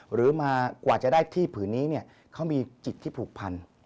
หรือมากว่าจะได้ที่ผืนนี้เขามีจิตที่ผูกพัน